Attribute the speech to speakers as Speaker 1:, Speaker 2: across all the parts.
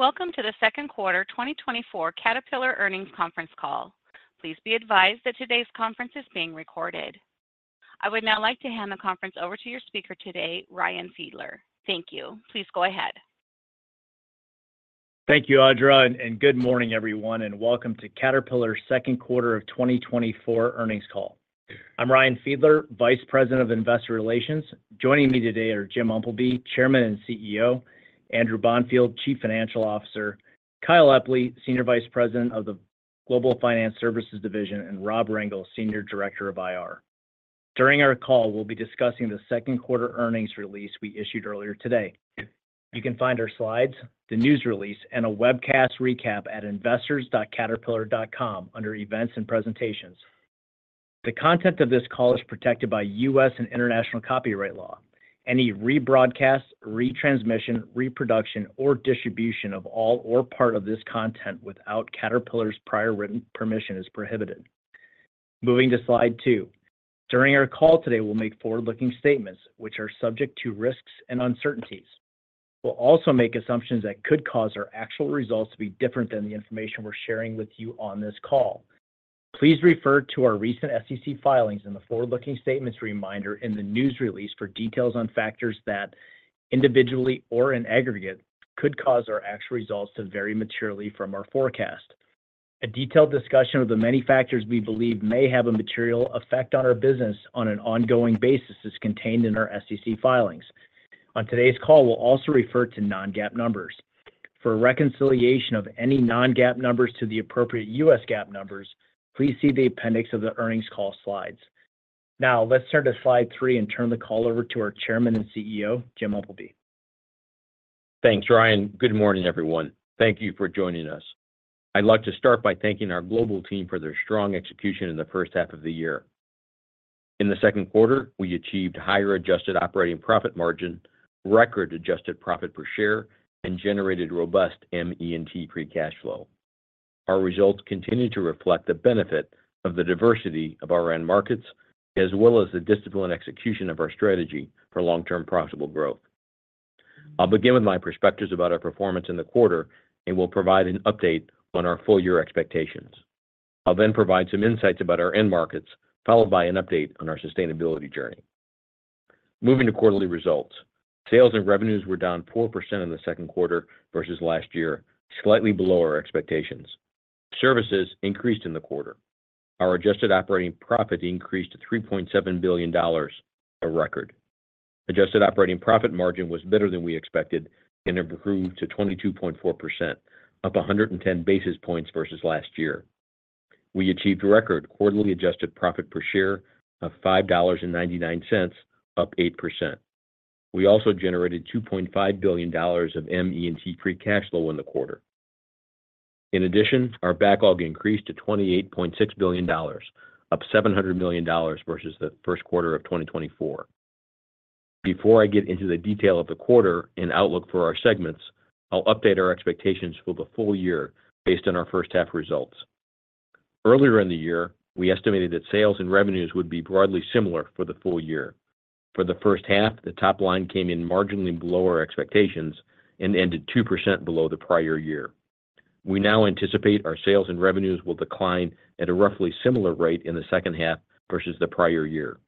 Speaker 1: Welcome to the Q2 2024 Caterpillar Earnings Conference Call. Please be advised that today's conference is being recorded. I would now like to hand the conference over to your speaker today, Ryan Fiedler. Thank you. Please go ahead.
Speaker 2: Thank you, Audra, and good morning, everyone, and welcome to Caterpillar's Q2 of 2024 earnings call. I'm Ryan Fiedler, Vice President of Investor Relations. Joining me today are Jim Umpleby, Chairman and CEO, Andrew Bonfield, Chief Financial Officer, Kyle Epley, Senior Vice President of the Global Finance Services Division, and Rob Rangel, Senior Director of IR. During our call, we'll be discussing the Q2 earnings release we issued earlier today. You can find our slides, the news release, and a webcast recap at investors.caterpillar.com under Events and Presentations. The content of this call is protected by U.S. and international copyright law. Any rebroadcast, retransmission, reproduction, or distribution of all or part of this content without Caterpillar's prior written permission is prohibited. Moving to Slide 2. During our call today, we'll make forward-looking statements which are subject to risks and uncertainties. We'll also make assumptions that could cause our actual results to be different than the information we're sharing with you on this call. Please refer to our recent SEC filings and the forward-looking statements reminder in the news release for details on factors that, individually or in aggregate, could cause our actual results to vary materially from our forecast. A detailed discussion of the many factors we believe may have a material effect on our business on an ongoing basis is contained in our SEC filings. On today's call, we'll also refer to non-GAAP numbers. For a reconciliation of any non-GAAP numbers to the appropriate US GAAP numbers, please see the appendix of the earnings call slides. Now, let's turn to Slide three and turn the call over to our Chairman and CEO, Jim Umpleby.
Speaker 3: Thanks, Ryan. Good morning, everyone. Thank you for joining us. I'd like to start by thanking our global team for their strong execution in the first half of the year. In the Q2, we achieved higher adjusted operating profit margin, record adjusted profit per share, and generated robust ME&T free cash flow. Our results continue to reflect the benefit of the diversity of our end markets, as well as the disciplined execution of our strategy for long-term profitable growth. I'll begin with my perspectives about our performance in the quarter and will provide an update on our full year expectations. I'll then provide some insights about our end markets, followed by an update on our sustainability journey. Moving to quarterly results. Sales and revenues were down 4% in the Q2 versus last year, slightly below our expectations. Services increased in the quarter. Our adjusted operating profit increased to $3.7 billion, a record. Adjusted operating profit margin was better than we expected and improved to 22.4%, up 110 basis points versus last year. We achieved a record quarterly adjusted profit per share of $5.99, up 8%. We also generated $2.5 billion of ME&T free cash flow in the quarter. In addition, our backlog increased to $28.6 billion, up $700 million versus the Q1 of 2024. Before I get into the detail of the quarter and outlook for our segments, I'll update our expectations for the full year based on our first half results. Earlier in the year, we estimated that sales and revenues would be broadly similar for the full year. For the first half, the top line came in marginally below our expectations and ended 2% below the prior year. We now anticipate our sales and revenues will decline at a roughly similar rate in the second half versus the prior year,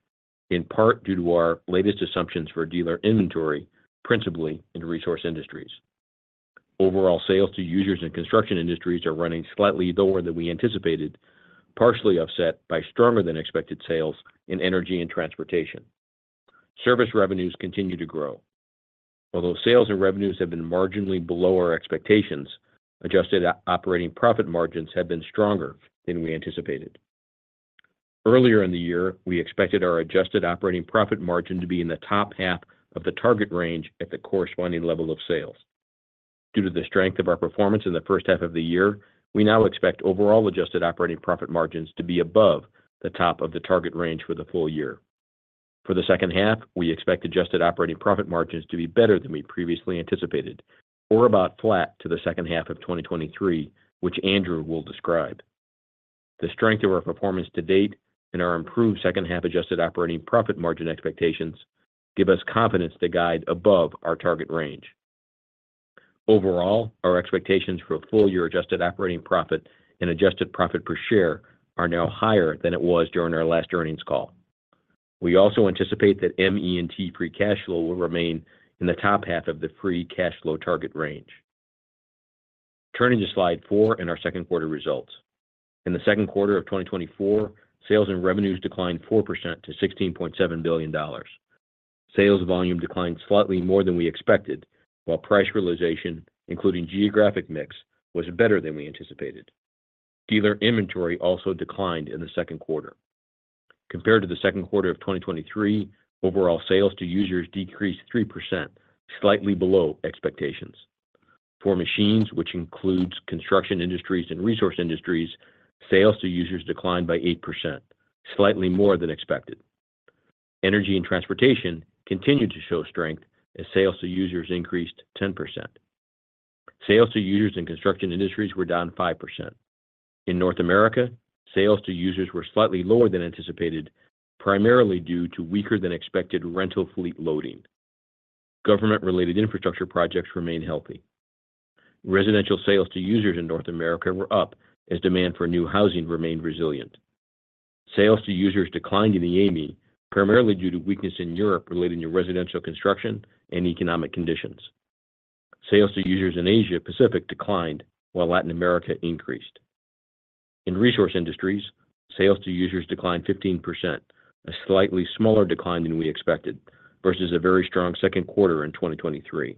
Speaker 3: in part due to our latest assumptions for dealer inventory, principally in Resource Industries. Overall, Sales to Users in Construction Industries are running slightly lower than we anticipated, partially offset by stronger than expected sales in Energy & Transportation. Services revenues continue to grow. Although sales and revenues have been marginally below our expectations, adjusted operating profit margins have been stronger than we anticipated. Earlier in the year, we expected our adjusted operating profit margin to be in the top half of the target range at the corresponding level of sales. Due to the strength of our performance in the first half of the year, we now expect overall adjusted operating profit margins to be above the top of the target range for the full year. For the second half, we expect adjusted operating profit margins to be better than we previously anticipated, or about flat to the second half of 2023, which Andrew will describe. The strength of our performance to date and our improved second half adjusted operating profit margin expectations give us confidence to guide above our target range. Overall, our expectations for full year adjusted operating profit and adjusted profit per share are now higher than it was during our last earnings call. We also anticipate that ME&T free cash flow will remain in the top half of the free cash flow target range. Turning to Slide 4 in our Q2 results. In the Q2 of 2024, sales and revenues declined 4% to $16.7 billion. Sales volume declined slightly more than we expected, while price realization, including geographic mix, was better than we anticipated. Dealer inventory also declined in the Q2. Compared to the Q2 of 2023, overall Sales to Users decreased 3%, slightly below expectations. For machines, which includes Construction Industries and Resource Industries, Sales to Users declined by 8%, slightly more than expected. Energy & Transportation continued to show strength as saleSales to Users increased 10%. Sales to Users in Construction Industries were down 5%. In North America, Sales to Users were slightly lower than anticipated, primarily due to weaker than expected rental fleet loading. Government-related infrastructure projects remain healthy. Residential Sales to Users in North America were up as demand for new housing remained resilient. Sales to Users declined in the EAME, primarily due to weakness in Europe relating to residential construction and economic conditions. Sales to Users in Asia Pacific declined, while Latin America increased. In Resource Industries, Sales to Users declined 15%, a slightly smaller decline than we expected, versus a very strong Q2 in 2023.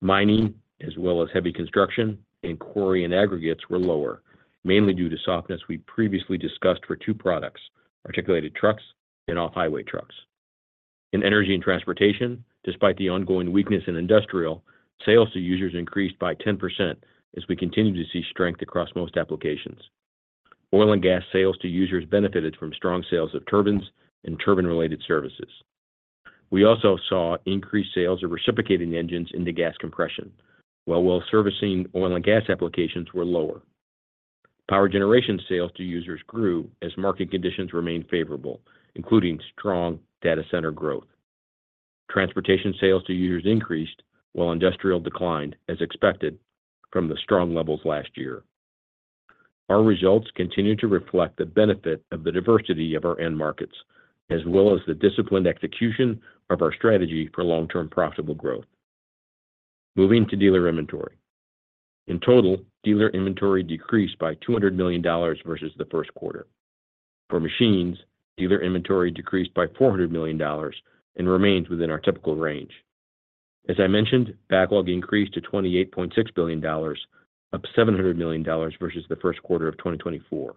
Speaker 3: Mining, as well as heavy construction and quarry and aggregates, were lower, mainly due to softness we previously discussed for two products: articulated trucks and off-highway trucks. In Energy & Transportation, despite the ongoing weakness in industrial, Sales to Users increased by 10% as we continue to see strength across most applications. Oil and gas Sales to Users benefited from strong sales of turbines and turbine-related services. We also saw increased sales of reciprocating engines into gas compression, while well servicing oil and gas applications were lower. Power generation Sales to Users grew as market conditions remained favorable, including strong data center growth. Transportation Sales to Users increased while industrial declined, as expected, from the strong levels last year. Our results continue to reflect the benefit of the diversity of our end markets, as well as the disciplined execution of our strategy for long-term profitable growth. Moving to dealer inventory. In total, dealer inventory decreased by $200 million versus the Q1. For machines, dealer inventory decreased by $400 million and remains within our typical range. As I mentioned, backlog increased to $28.6 billion, up $700 million versus the Q1 of 2024.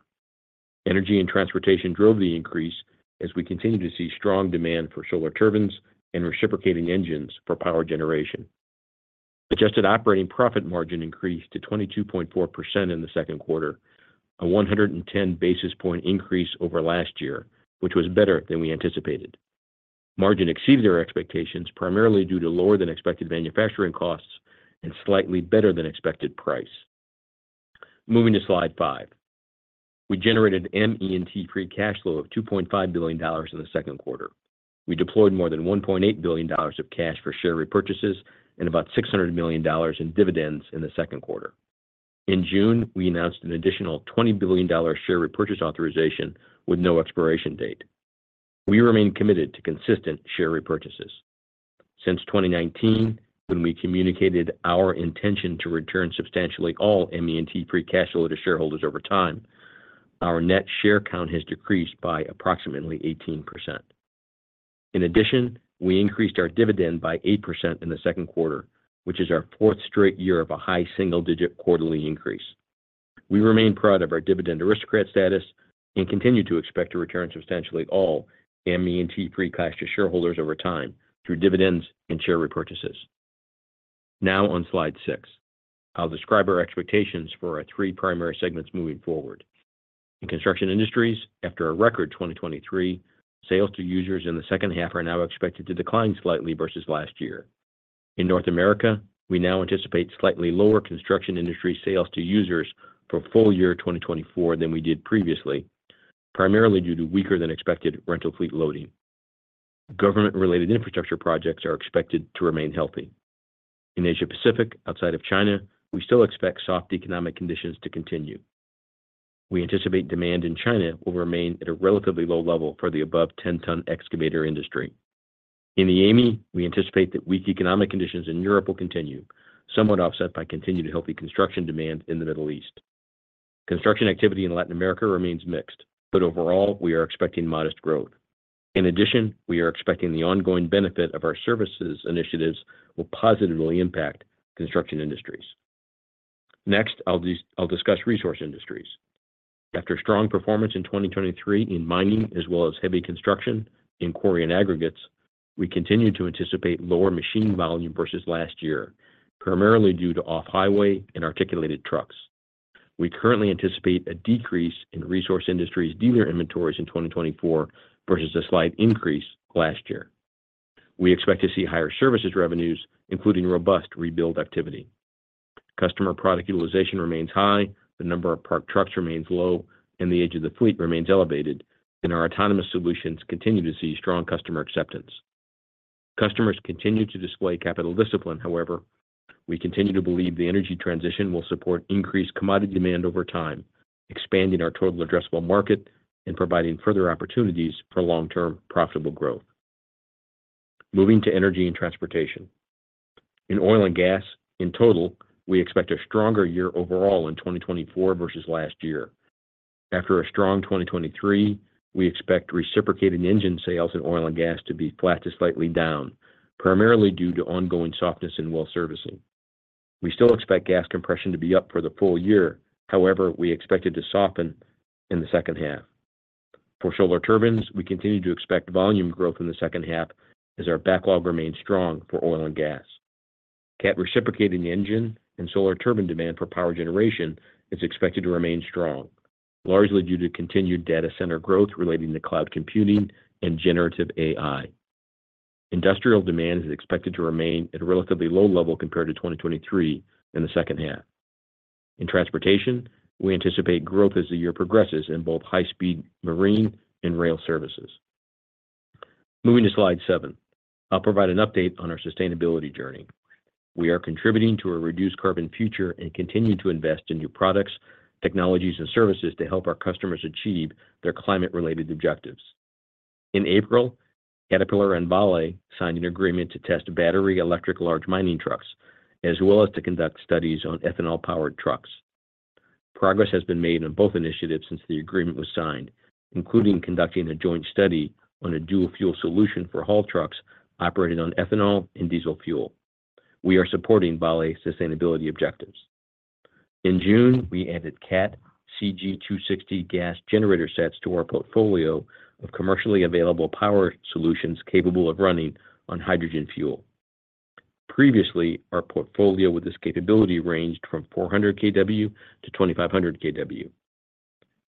Speaker 3: Energy & Transportation drove the increase as we continue to see strong demand for Solar Turbines and reciprocating engines for power generation. Adjusted operating profit margin increased to 22.4% in the Q2, a 110 basis point increase over last year, which was better than we anticipated. Margin exceeded our expectations, primarily due to lower than expected manufacturing costs and slightly better than expected price. Moving to slide five. We generated ME&T free cash flow of $2.5 billion in the Q2. We deployed more than $1.8 billion of cash for share repurchases and about $600 million in dividends in the Q2. In June, we announced an additional $20 billion share repurchase authorization with no expiration date. We remain committed to consistent share repurchases. Since 2019, when we communicated our intention to return substantially all ME&T free cash flow to shareholders over time, our net share count has decreased by approximately 18%. In addition, we increased our dividend by 8% in the Q2, which is our fourth straight year of a high single-digit quarterly increase. We remain proud of our Dividend Aristocrat status and continue to expect to return substantially all ME&T free cash to shareholders over time through dividends and share repurchases. Now on slide 6, I'll describe our expectations for our three primary segments moving forward. In Construction Industries, after a record 2023, Sales to Users in the second half are now expected to decline slightly versus last year. In North America, we now anticipate slightly lower Construction Industries Sales to Users for full year 2024 than we did previously, primarily due to weaker than expected rental fleet loading. Government-related infrastructure projects are expected to remain healthy. In Asia Pacific, outside of China, we still expect soft economic conditions to continue. We anticipate demand in China will remain at a relatively low level for the above 10-ton excavator industry. In the EAME, we anticipate that weak economic conditions in Europe will continue, somewhat offset by continued healthy construction demand in the Middle East. Construction activity in Latin America remains mixed, but overall, we are expecting modest growth. In addition, we are expecting the ongoing benefit of our services initiatives will positively impact Construction Industries. Next, I'll discuss Resource Industries. After strong performance in 2023 in mining, as well as heavy construction in quarry and aggregates, we continue to anticipate lower machine volume versus last year, primarily due to off-highway and articulated trucks. We currently anticipate a decrease in Resource Industries dealer inventories in 2024 versus a slight increase last year. We expect to see higher services revenues, including robust rebuild activity. Customer product utilization remains high, the number of parked trucks remains low, and the age of the fleet remains elevated, and our autonomous solutions continue to see strong customer acceptance. Customers continue to display capital discipline. However, we continue to believe the energy transition will support increased commodity demand over time, expanding our total addressable market and providing further opportunities for long-term profitable growth. Moving to Energy & Transportation. In oil and gas, in total, we expect a stronger year overall in 2024 versus last year. After a strong 2023, we expect reciprocating engine sales in oil and gas to be flat to slightly down, primarily due to ongoing softness in well servicing. We still expect gas compression to be up for the full year. However, we expect it to soften in the second half. For Solar Turbines, we continue to expect volume growth in the second half as our backlog remains strong for oil and gas. Cat reciprocating engine and Solar Turbine demand for power generation is expected to remain strong, largely due to continued data center growth relating to cloud computing and generative AI. Industrial demand is expected to remain at a relatively low level compared to 2023 in the second half. In transportation, we anticipate growth as the year progresses in both high-speed marine and rail services. Moving to slide 7. I'll provide an update on our sustainability journey. We are contributing to a reduced carbon future and continuing to invest in new products, technologies, and services to help our customers achieve their climate-related objectives. In April, Caterpillar and Vale signed an agreement to test battery electric large mining trucks, as well as to conduct studies on ethanol-powered trucks. Progress has been made on both initiatives since the agreement was signed, including conducting a joint study on a dual-fuel solution for haul trucks operating on ethanol and diesel fuel. We are supporting Vale's sustainability objectives. In June, we added Cat CG260 gas generator sets to our portfolio of commercially available power solutions capable of running on hydrogen fuel. Previously, our portfolio with this capability ranged from 400 kW to 2,500 kW.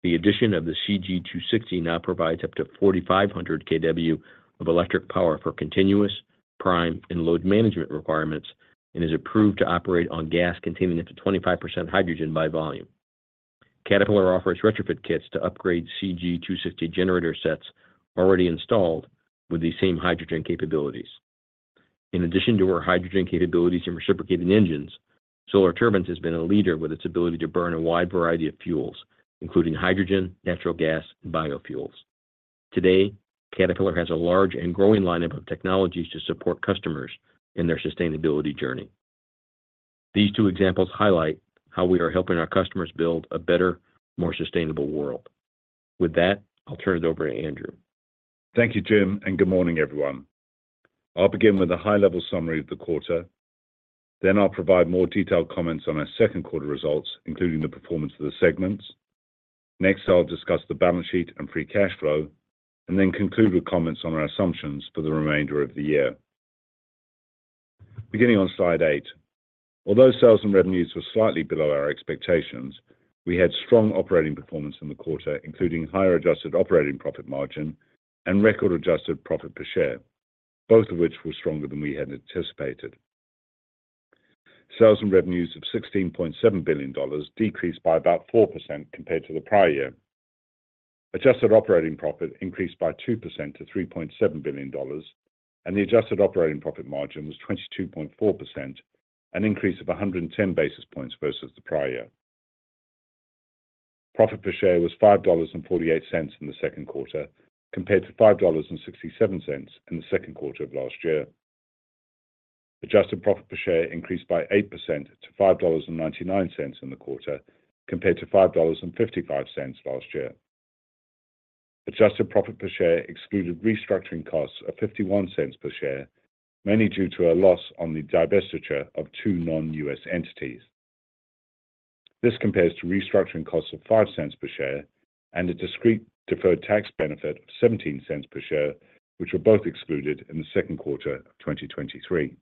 Speaker 3: The addition of the CG260 now provides up to 4,500 kW of electric power for continuous, prime, and load management requirements, and is approved to operate on gas containing up to 25% hydrogen by volume. Caterpillar offers retrofit kits to upgrade CG260 generator sets already installed with the same hydrogen capabilities. In addition to our hydrogen capabilities and reciprocating engines, Solar Turbines has been a leader with its ability to burn a wide variety of fuels, including hydrogen, natural gas, and biofuels. Today, Caterpillar has a large and growing lineup of technologies to support customers in their sustainability journey. These two examples highlight how we are helping our customers build a better, more sustainable world. With that, I'll turn it over to Andrew.
Speaker 4: Thank you, Jim, and good morning, everyone. I'll begin with a high-level summary of the quarter, then I'll provide more detailed comments on our Q2 results, including the performance of the segments. Next, I'll discuss the balance sheet and free cash flow, and then conclude with comments on our assumptions for the remainder of the year. Beginning on slide 8. Although sales and revenues were slightly below our expectations, we had strong operating performance in the quarter, including higher adjusted operating profit margin and record adjusted profit per share, both of which were stronger than we had anticipated. Sales and revenues of $16.7 billion decreased by about 4% compared to the prior year. Adjusted operating profit increased by 2% to $3.7 billion, and the adjusted operating profit margin was 22.4%, an increase of 110 basis points versus the prior year. Profit per share was $5.48 in the Q2, compared to $5.67 in the Q2 of last year. Adjusted profit per share increased by 8% to $5.99 in the quarter, compared to $5.55 last year. Adjusted profit per share excluded restructuring costs of $0.51 per share, mainly due to a loss on the divestiture of two non-U.S. entities. This compares to restructuring costs of $0.05 per share and a discrete deferred tax benefit of $0.17 per share, which were both excluded in the Q2 of 2023.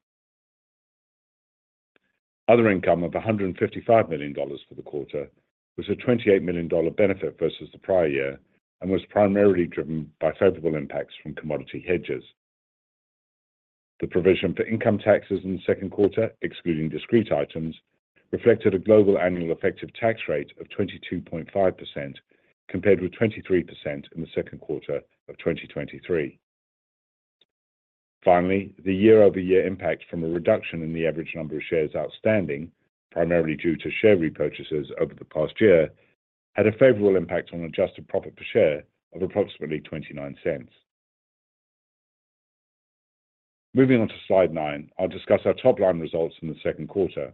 Speaker 4: Other income of $155 million for the quarter was a $28 million benefit versus the prior year and was primarily driven by favorable impacts from commodity hedges. The provision for income taxes in the Q2, excluding discrete items, reflected a global annual effective tax rate of 22.5%, compared with 23% in the Q2 of 2023. Finally, the year-over-year impact from a reduction in the average number of shares outstanding, primarily due to share repurchases over the past year, had a favorable impact on adjusted profit per share of approximately $0.29. Moving on to slide 9, I'll discuss our top-line results in the Q2.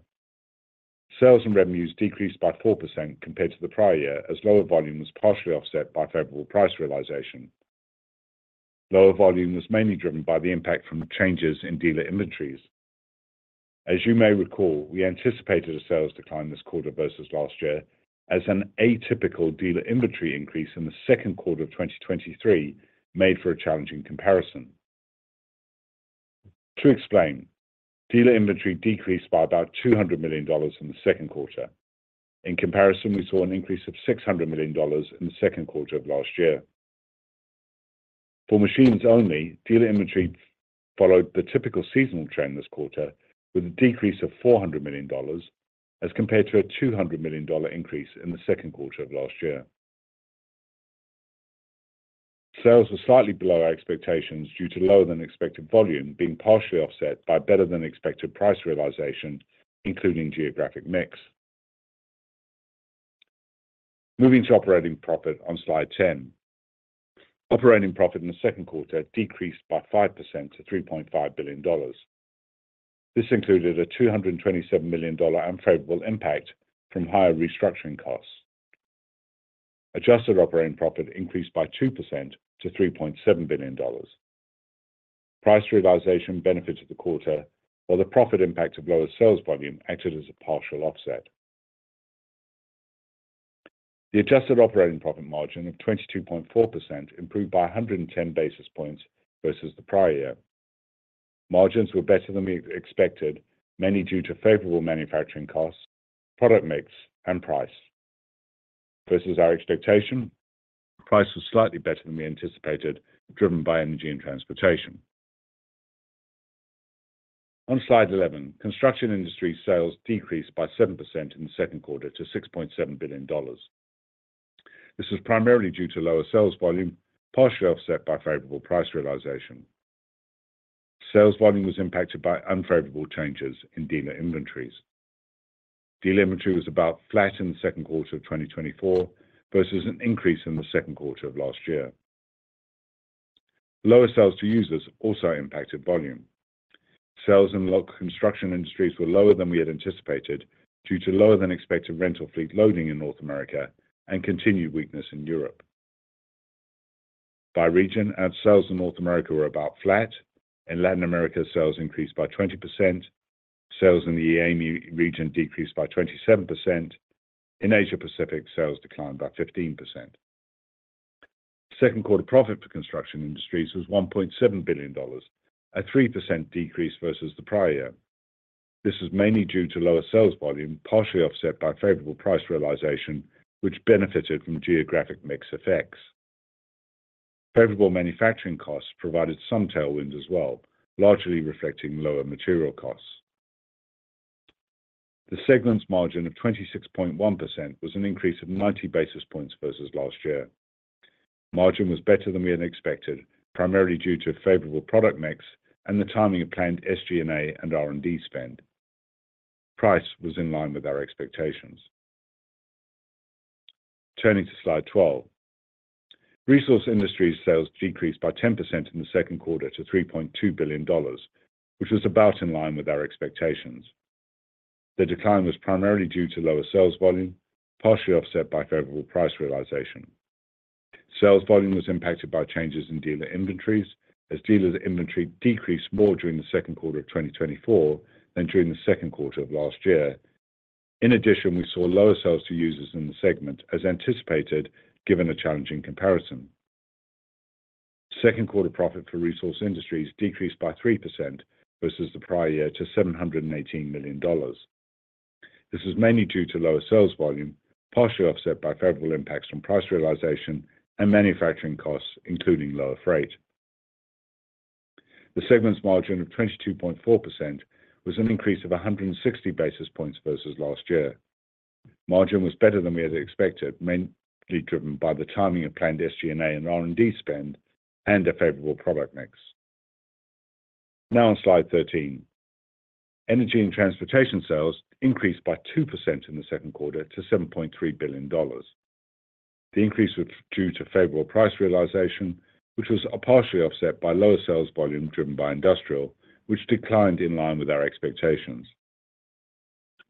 Speaker 4: Sales and revenues decreased by 4% compared to the prior year, as lower volume was partially offset by favorable price realization. Lower volume was mainly driven by the impact from changes in dealer inventories. As you may recall, we anticipated a sales decline this quarter versus last year, as an atypical dealer inventory increase in the Q2 of 2023 made for a challenging comparison. To explain, dealer inventory decreased by about $200 million in the Q2. In comparison, we saw an increase of $600 million in the Q2 of last year. For machines only, dealer inventory followed the typical seasonal trend this quarter, with a decrease of $400 million as compared to a $200 million increase in the Q2 of last year. Sales were slightly below our expectations due to lower than expected volume, being partially offset by better than expected price realization, including geographic mix. Moving to operating profit on slide 10. Operating profit in the Q2 decreased by 5% to $3.5 billion. This included a $227 million unfavorable impact from higher restructuring costs. Adjusted operating profit increased by 2% to $3.7 billion. Price realization benefited the quarter, while the profit impact of lower sales volume acted as a partial offset. The adjusted operating profit margin of 22.4% improved by 110 basis points versus the prior year. Margins were better than we expected, mainly due to favorable manufacturing costs, product mix, and price versus our expectation. Price was slightly better than we anticipated, driven by Energy & Transportation. On slide 11, Construction Industries sales decreased by 7% in the Q2 to $6.7 billion. This is primarily due to lower sales volume, partially offset by favorable price realization. Sales volume was impacted by unfavorable changes in dealer inventories. Dealer inventory was about flat in the Q2 of 2024, versus an increase in the Q2 of last year. Lower Sales to Users also impacted volume. Sales in Construction Industries were lower than we had anticipated, due to lower than expected rental fleet loading in North America and continued weakness in Europe. By region, our sales in North America were about flat. In Latin America, sales increased by 20%. Sales in the EAME region decreased by 27%. In Asia Pacific, sales declined by 15%. Q2 profit for Construction Industries was $1.7 billion, a 3% decrease versus the prior year. This was mainly due to lower sales volume, partially offset by favorable price realization, which benefited from geographic mix effects. Favorable manufacturing costs provided some tailwind as well, largely reflecting lower material costs. The segment's margin of 26.1% was an increase of 90 basis points versus last year. Margin was better than we had expected, primarily due to a favorable product mix and the timing of planned SG&A and R&D spend. Price was in line with our expectations. Turning to Slide 12. Resource Industries sales decreased by 10% in the Q2 to $3.2 billion, which was about in line with our expectations. The decline was primarily due to lower sales volume, partially offset by favorable price realization. Sales volume was impacted by changes in dealer inventories, as dealers' inventory decreased more during the Q2 of 2024 than during the Q2 of last year. In addition, we saw lower Sales to Users in the segment as anticipated, given a challenging comparison. Q2 profit for Resource Industries decreased by 3% versus the prior year to $718 million. This was mainly due to lower sales volume, partially offset by favorable impacts from price realization and manufacturing costs, including lower freight. The segment's margin of 22.4% was an increase of 160 basis points versus last year. Margin was better than we had expected, mainly driven by the timing of planned SG&A and R&D spend and a favorable product mix. Now on Slide 13. Energy & Transportation sales increased by 2% in the Q2 to $7.3 billion. The increase was due to favorable price realization, which was partially offset by lower sales volume driven by industrial, which declined in line with our expectations.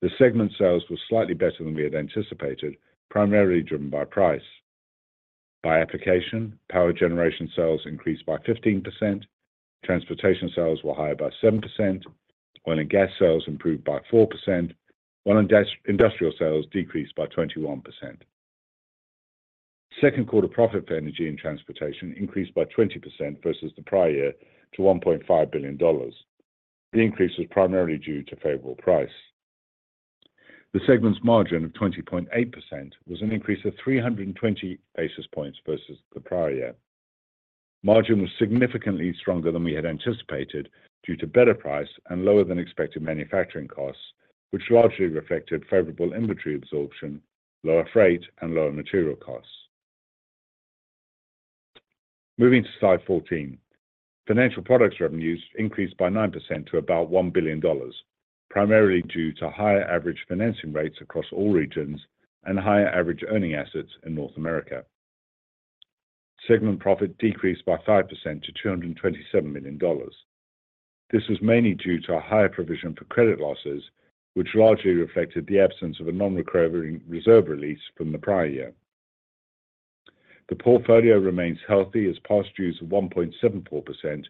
Speaker 4: The segment's sales were slightly better than we had anticipated, primarily driven by price. By application, power generation sales increased by 15%, transportation sales were higher by 7%, oil and gas sales improved by 4%, while industrial sales decreased by 21%. Q2 profit for Energy & Transportation increased by 20% versus the prior year to $1.5 billion. The increase was primarily due to favorable price. The segment's margin of 20.8% was an increase of 320 basis points versus the prior year. Margin was significantly stronger than we had anticipated due to better price and lower than expected manufacturing costs, which largely reflected favorable inventory absorption, lower freight, and lower material costs. Moving to Slide 14. Financial Products revenues increased by 9% to about $1 billion, primarily due to higher average financing rates across all regions and higher average earning assets in North America. Segment profit decreased by 5% to $227 million. This was mainly due to a higher provision for credit losses, which largely reflected the absence of a non-recurring reserve release from the prior year. The portfolio remains healthy as past dues of 1.74%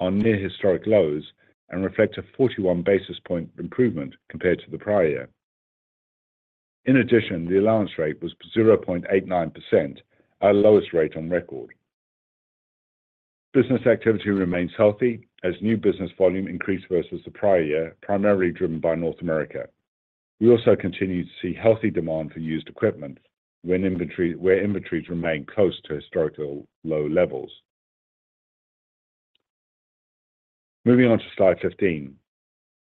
Speaker 4: are near historic lows and reflect a 41 basis point improvement compared to the prior year. In addition, the allowance rate was 0.89%, our lowest rate on record. Business activity remains healthy as new business volume increased versus the prior year, primarily driven by North America. We also continue to see healthy demand for used equipment where inventories remain close to historical low levels. Moving on to Slide 15.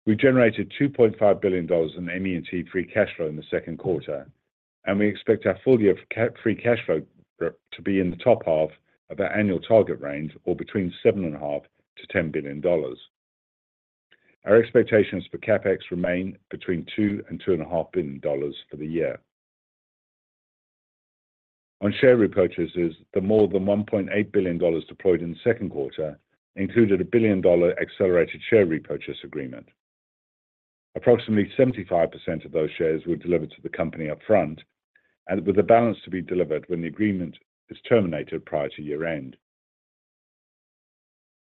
Speaker 4: We generated $2.5 billion in ME&T free cash flow in the Q2, and we expect our full year free cash flow to be in the top half of our annual target range, or between $7.5 billion and $10 billion. Our expectations for CapEx remain between $2 billion and $2.5 billion for the year. On share repurchases, the more than $1.8 billion deployed in the Q2 included a $1 billion accelerated share repurchase agreement. Approximately 75% of those shares were delivered to the company upfront, and with the balance to be delivered when the agreement is terminated prior to year-end.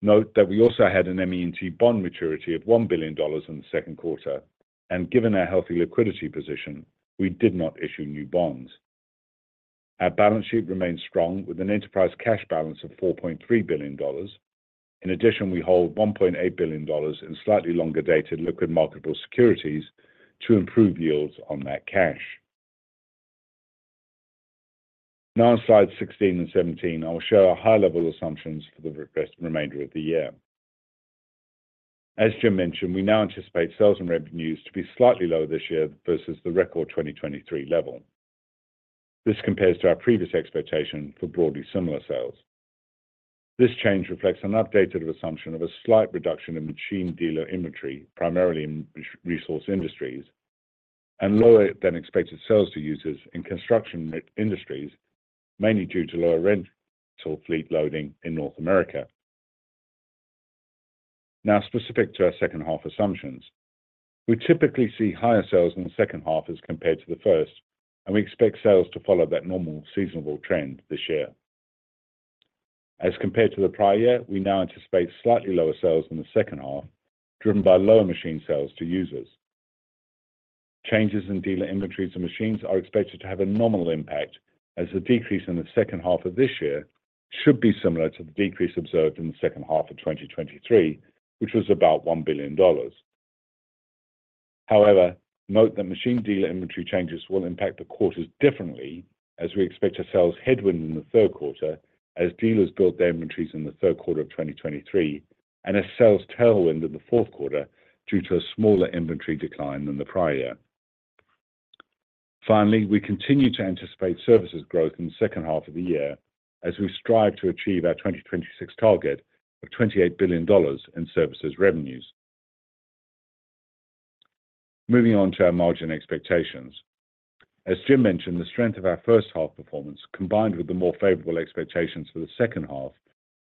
Speaker 4: Note that we also had an ME&T bond maturity of $1 billion in the Q2, and given our healthy liquidity position, we did not issue new bonds. Our balance sheet remains strong, with an enterprise cash balance of $4.3 billion. In addition, we hold $1.8 billion in slightly longer-dated liquid marketable securities to improve yields on that cash. Now, on slides 16 and 17, I will show our high-level assumptions for the remainder of the year. As Jim mentioned, we now anticipate sales and revenues to be slightly lower this year versus the record 2023 level. This compares to our previous expectation for broadly similar sales. This change reflects an updated assumption of a slight reduction in machine dealer inventory, primarily in Resource Industries, and lower than expected Sales to Users in Construction Industries, mainly due to lower rental fleet loading in North America. Now, specific to our second half assumptions, we typically see higher sales in the second half as compared to the first, and we expect sales to follow that normal seasonal trend this year. As compared to the prior year, we now anticipate slightly lower sales in the second half, driven by lower machine Sales to Users. Changes in dealer inventories and machines are expected to have a nominal impact, as the decrease in the second half of this year should be similar to the decrease observed in the second half of 2023, which was about $1 billion. However, note that machine dealer inventory changes will impact the quarters differently, as we expect a sales headwind in the Q3 as dealers build their inventories in the Q3 of 2023, and a sales tailwind in the Q4 due to a smaller inventory decline than the prior year. Finally, we continue to anticipate services growth in the second half of the year as we strive to achieve our 2026 target of $28 billion in services revenues. Moving on to our margin expectations. As Jim mentioned, the strength of our first half performance, combined with the more favorable expectations for the second half,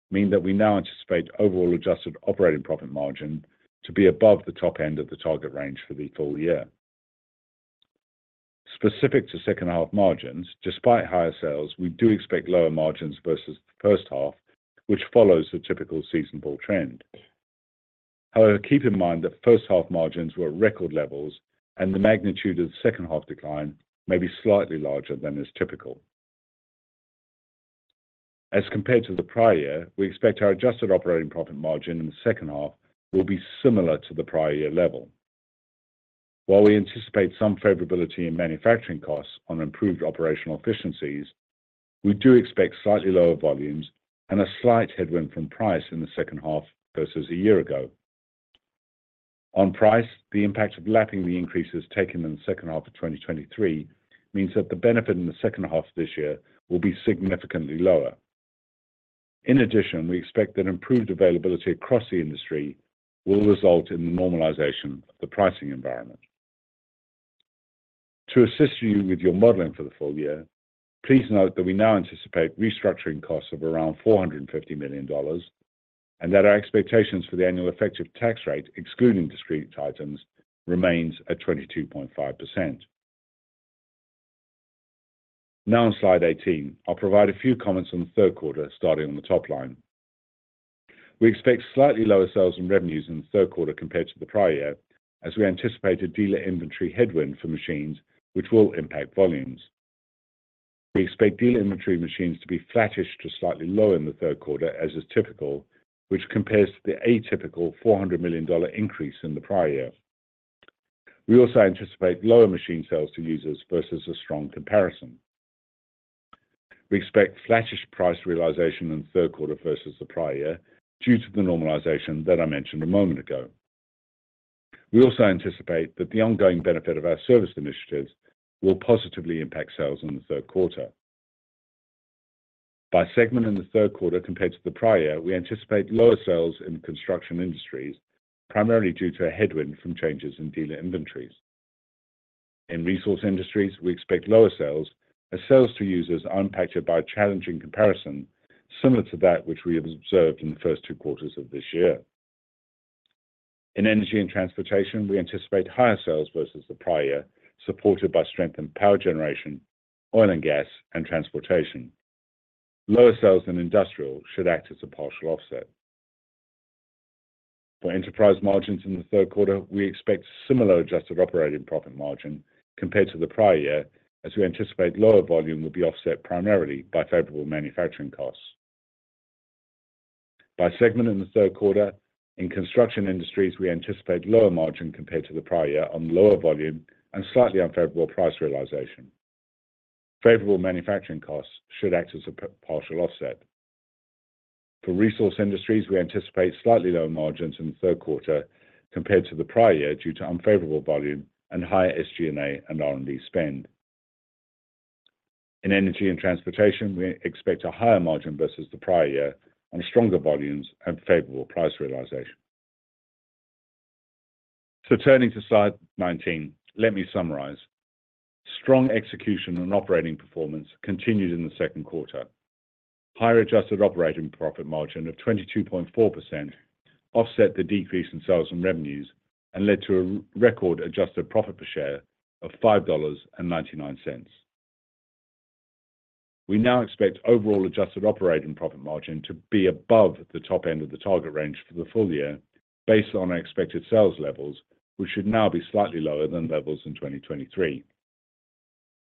Speaker 4: mean that we now anticipate overall adjusted operating profit margin to be above the top end of the target range for the full year. Specific to second half margins, despite higher sales, we do expect lower margins versus the first half, which follows the typical seasonal trend. However, keep in mind that first half margins were at record levels and the magnitude of the second half decline may be slightly larger than is typical. As compared to the prior year, we expect our adjusted operating profit margin in the second half will be similar to the prior year level. While we anticipate some favorability in manufacturing costs on improved operational efficiencies, we do expect slightly lower volumes and a slight headwind from price in the second half versus a year ago. On price, the impact of lapping the increases taken in the second half of 2023 means that the benefit in the second half of this year will be significantly lower. In addition, we expect that improved availability across the industry will result in the normalization of the pricing environment. To assist you with your modeling for the full year, please note that we now anticipate restructuring costs of around $450 million, and that our expectations for the annual effective tax rate, excluding discrete items, remains at 22.5%. Now, on slide 18, I'll provide a few comments on the Q3, starting on the top line. We expect slightly lower sales and revenues in the Q3 compared to the prior year, as we anticipate a dealer inventory headwind for machines which will impact volumes. We expect dealer inventory machines to be flattish to slightly lower in the Q3, as is typical, which compares to the atypical $400 million increase in the prior year. We also anticipate lower machine Sales to Users versus a strong comparison. We expect flattish price realization in the Q3 versus the prior year due to the normalization that I mentioned a moment ago. We also anticipate that the ongoing benefit of our service initiatives will positively impact sales in the Q3. By segment in the Q3 compared to the prior year, we anticipate lower sales in the Construction Industries, primarily due to a headwind from changes in dealer inventories. In Resource Industries, we expect lower sales, as Sales to Users are impacted by a challenging comparison, similar to that which we have observed in the first two quarters of this year. In Energy & Transportation, we anticipate higher sales versus the prior year, supported by strength in power generation, oil and gas, and transportation. Lower sales in industrial should act as a partial offset. For enterprise margins in the Q3, we expect similar adjusted operating profit margin compared to the prior year, as we anticipate lower volume will be offset primarily by favorable manufacturing costs. By segment in the Q3, in Construction Industries, we anticipate lower margin compared to the prior year on lower volume and slightly unfavorable price realization. Favorable manufacturing costs should act as a partial offset. For Resource Industries, we anticipate slightly lower margins in the Q3 compared to the prior year, due to unfavorable volume and higher SG&A and R&D spend. In Energy & Transportation, we expect a higher margin versus the prior year on stronger volumes and favorable price realization. So turning to slide 19, let me summarize. Strong execution and operating performance continued in the Q2. Higher adjusted operating profit margin of 22.4% offset the decrease in sales and revenues and led to a record adjusted profit per share of $5.99. We now expect overall adjusted operating profit margin to be above the top end of the target range for the full year, based on our expected sales levels, which should now be slightly lower than levels in 2023....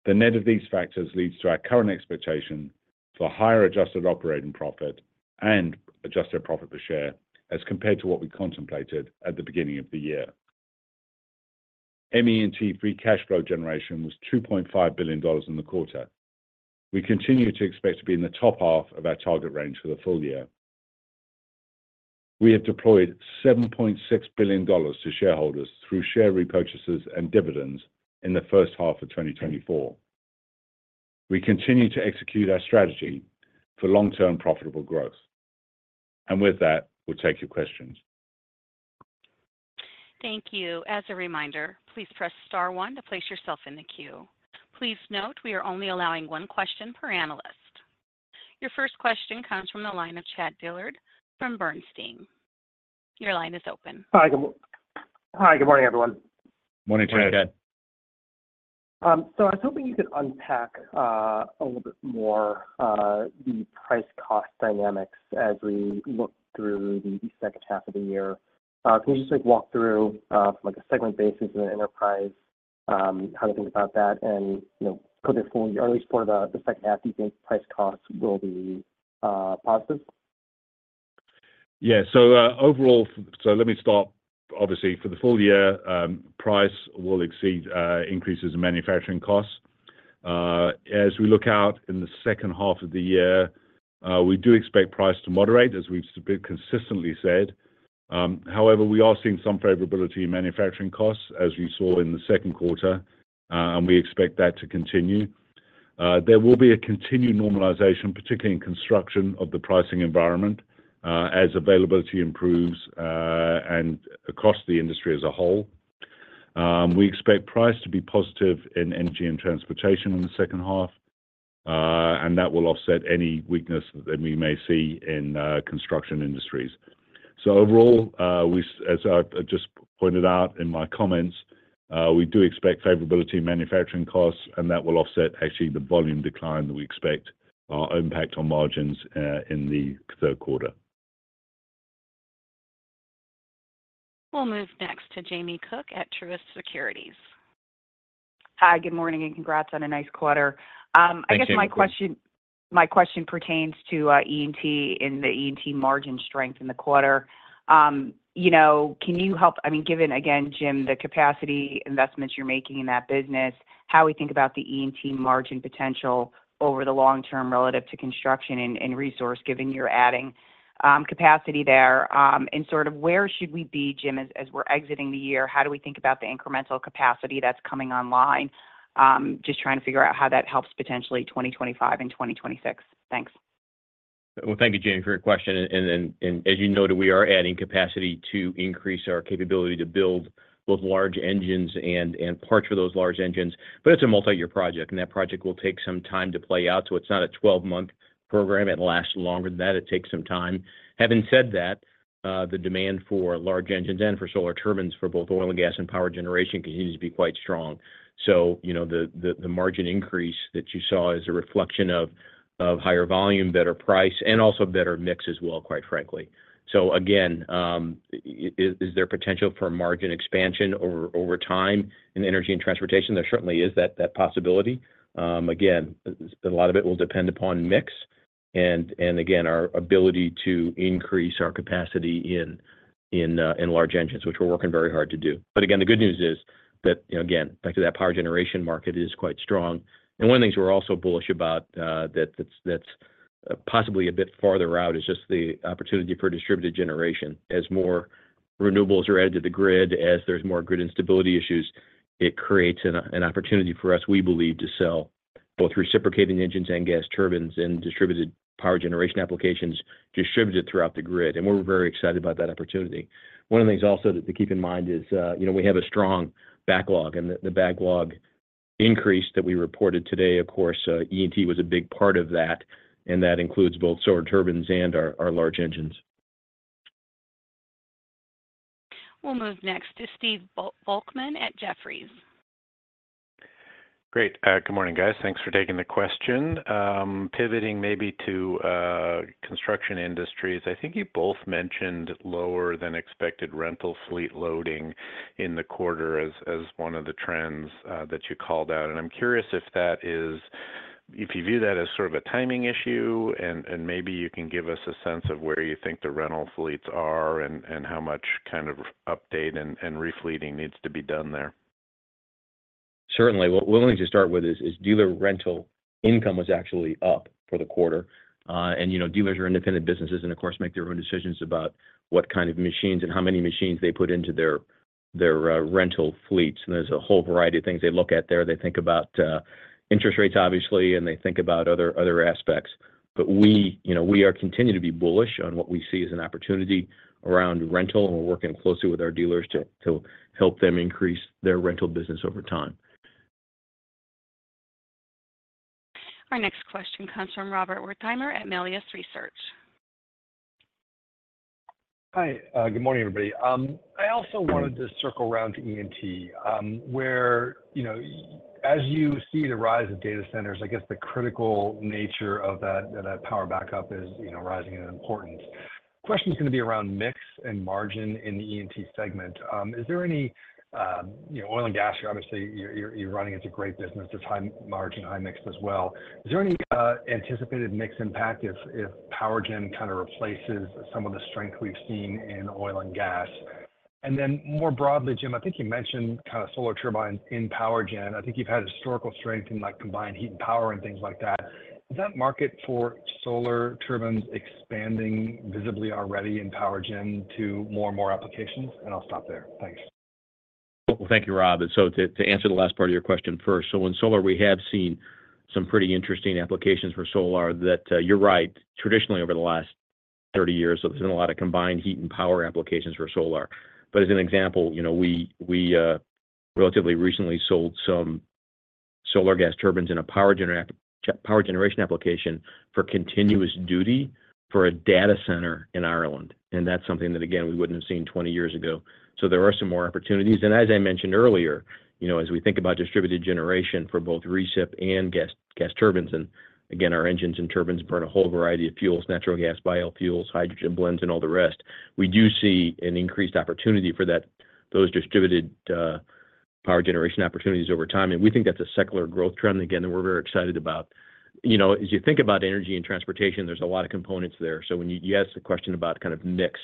Speaker 4: The net of these factors leads to our current expectation for higher adjusted operating profit and adjusted profit per share as compared to what we contemplated at the beginning of the year. ME&T free cash flow generation was $2.5 billion in the quarter. We continue to expect to be in the top half of our target range for the full year. We have deployed $7.6 billion to shareholders through share repurchases and dividends in the first half of 2024. We continue to execute our strategy for long-term profitable growth. With that, we'll take your questions.
Speaker 1: Thank you. As a reminder, please press star one to place yourself in the queue. Please note, we are only allowing one question per analyst. Your first question comes from the line of Chad Dillard from Bernstein. Your line is open.
Speaker 5: Hi. Hi, good morning, everyone.
Speaker 3: Morning, Chad.
Speaker 5: So I was hoping you could unpack a little bit more the price cost dynamics as we look through the second half of the year. Can you just, like, walk through, from, like, a segment basis and an enterprise how to think about that? And, you know, for the early part of the second half, do you think price costs will be positive?
Speaker 3: Yeah. So, overall, so let me start. Obviously, for the full year, price will exceed increases in manufacturing costs. As we look out in the second half of the year, we do expect price to moderate, as we've consistently said. However, we are seeing some favorability in manufacturing costs, as you saw in the Q2, and we expect that to continue. There will be a continued normalization, particularly in Construction Industries of the pricing environment, as availability improves, and across the industry as a whole. We expect price to be positive in Energy & Transportation in the second half, and that will offset any weakness that we may see in Construction Industries. So overall, as I just pointed out in my comments, we do expect favorability in manufacturing costs, and that will offset actually the volume decline that we expect, impact on margins, in the Q3.
Speaker 1: We'll move next to Jamie Cook at Truist Securities.
Speaker 6: Hi, good morning, and congrats on a nice quarter.
Speaker 3: Thanks, Jamie Cook.
Speaker 6: I guess my question, my question pertains to E&T and the E&T margin strength in the quarter. You know, can you help, I mean, given, again, Jim, the capacity investments you're making in that business, how we think about the E&T margin potential over the long term relative to construction and, and resource, given you're adding capacity there? Sort of where should we be, Jim, as, as we're exiting the year, how do we think about the incremental capacity that's coming online? Just trying to figure out how that helps potentially 2025 and 2026. Thanks.
Speaker 3: Well, thank you, Jamie, for your question. And as you noted, we are adding capacity to increase our capability to build both large engines and parts for those large engines, but it's a multiyear project, and that project will take some time to play out. So it's not a 12-month program. It lasts longer than that. It takes some time. Having said that, the demand for large engines and for Solar Turbines for both oil and gas and power generation continues to be quite strong. So, you know, the margin increase that you saw is a reflection of higher volume, better price, and also better mix as well, quite frankly. So again, is there potential for margin expansion over time in Energy & Transportation? There certainly is that possibility. Again, a lot of it will depend upon mix and again, our ability to increase our capacity in large engines, which we're working very hard to do. But again, the good news is that, you know, again, back to that power generation market is quite strong. And one of the things we're also bullish about, that's possibly a bit farther out, is just the opportunity for distributed generation. As more renewables are added to the grid, as there's more grid instability issues, it creates an opportunity for us, we believe, to sell both reciprocating engines and gas turbines and distributed power generation applications distributed throughout the grid, and we're very excited about that opportunity. One of the things also to keep in mind is, you know, we have a strong backlog, and the backlog increase that we reported today, of course, E&T was a big part of that, and that includes both Solar Turbines and our large engines.
Speaker 1: We'll move next to Stephen Volkmann at Jefferies.
Speaker 7: Great. Good morning, guys. Thanks for taking the question. Pivoting maybe to, Construction Industries, I think you both mentioned lower than expected Rental Fleet Loading in the quarter as, as one of the trends, that you called out. And I'm curious if that is—if you view that as sort of a timing issue, and, and maybe you can give us a sense of where you think the rental fleets are and, and how much kind of update and, and refleeting needs to be done there.
Speaker 3: Certainly. What we're going to start with is dealer rental income was actually up for the quarter. You know, dealers are independent businesses and, of course, make their own decisions about what kind of machines and how many machines they put into their rental fleets. There's a whole variety of things they look at there. They think about interest rates, obviously, and they think about other aspects. But we, you know, we are continuing to be bullish on what we see as an opportunity around rental, and we're working closely with our dealers to help them increase their rental business over time.
Speaker 1: Our next question comes from Robert Wertheimer at Melius Research.
Speaker 8: Hi. Good morning, everybody. I also wanted to circle around to E&T, where, you know, as you see the rise of data centers, I guess the critical nature of that, that power backup is, you know, rising in importance. Question's gonna be around mix and margin in the E&T segment. Is there any, you know, oil and gas, obviously, you're running, it's a great business. It's high margin, high mix as well. Is there any anticipated mix impact if power gen kinda replaces some of the strength we've seen in oil and gas? And then more broadly, Jim, I think you mentioned kinda Solar Turbines in power gen. I think you've had historical strength in, like, combined heat and power and things like that. Is that market for Solar Turbines expanding visibly already in power gen to more and more applications? I'll stop there. Thanks.
Speaker 3: Well, thank you, Rob. So to answer the last part of your question first, in Solar, we have seen some pretty interesting applications for Solar that you're right. Traditionally, over the last 30 years, there's been a lot of combined heat and power applications for Solar. But as an example, you know, we relatively recently sold some Solar gas turbines in a power generation application for continuous duty for a data center in Ireland, and that's something that, again, we wouldn't have seen 20 years ago. So there are some more opportunities. As I mentioned earlier, you know, as we think about distributed generation for both recip and gas, gas turbines, and again, our engines and turbines burn a whole variety of fuels, natural gas, biofuels, hydrogen blends, and all the rest, we do see an increased opportunity for that- those distributed, power generation opportunities over time. We think that's a secular growth trend. Again, that we're very excited about. You know, as you think about Energy & Transportation, there's a lot of components there. So when you asked the question about kind of mix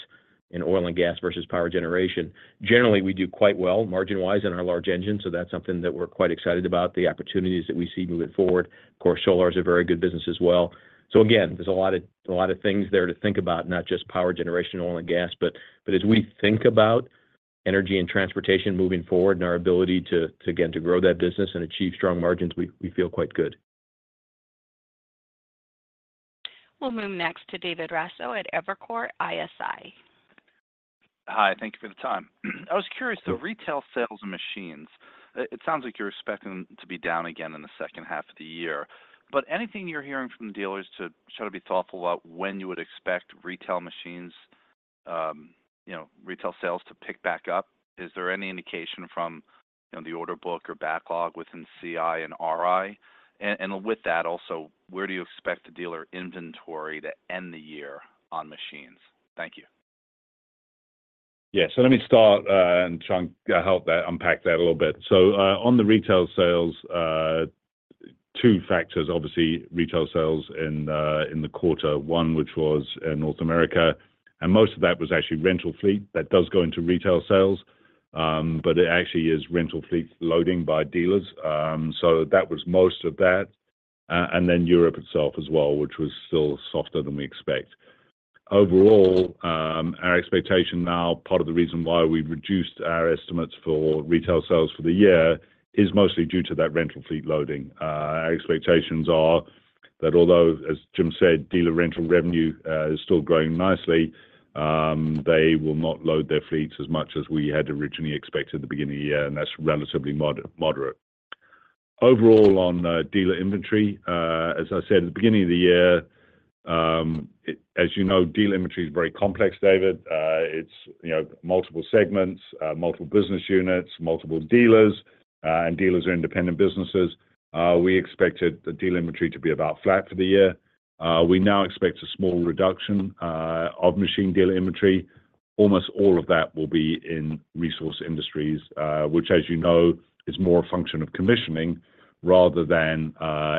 Speaker 3: in oil and gas versus power generation. Generally, we do quite well margin-wise in our large engines, so that's something that we're quite excited about, the opportunities that we see moving forward. Of course, solar is a very good business as well. So again, there's a lot of things there to think about, not just power generation, oil and gas, but as we think about Energy & Transportation moving forward and our ability to again grow that business and achieve strong margins, we feel quite good.
Speaker 1: We'll move next to David Raso at Evercore ISI.
Speaker 9: Hi, thank you for the time. I was curious, though, retail sales and machines. It sounds like you're expecting to be down again in the second half of the year, but anything you're hearing from the dealers to sort of be thoughtful about when you would expect retail machines, you know, retail sales to pick back up? Is there any indication from, you know, the order book or backlog within CI and RI? And with that, also, where do you expect the dealer inventory to end the year on machines? Thank you.
Speaker 4: Yeah. So let me start and try and unpack that a little bit. So, on the retail sales, two factors, obviously, retail sales in, in the quarter. One, which was in North America, and most of that was actually rental fleet. That does go into retail sales, but it actually is rental fleet loading by dealers. So that was most of that. And then Europe itself as well, which was still softer than we expect. Overall, our expectation now, part of the reason why we've reduced our estimates for retail sales for the year, is mostly due to that rental fleet loading. Our expectations are that although, as Jim said, dealer rental revenue is still growing nicely, they will not load their fleets as much as we had originally expected at the beginning of the year, and that's relatively moderate. Overall, dealer inventory, as I said at the beginning of the year, as you know, dealer inventory is very complex, David. It's, you know, multiple segments, multiple business units, multiple dealers, and dealers are independent businesses. We expected the dealer inventory to be about flat for the year. We now expect a small reduction of machine dealer inventory. Almost all of that will be in Resource Industries, which, as you know, is more a function of commissioning rather than